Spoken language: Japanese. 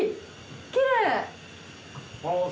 きれい！